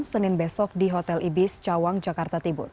senin besok di hotel ibis cawang jakarta tibur